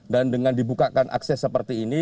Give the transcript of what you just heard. dan dengan dibukakan akses seperti ini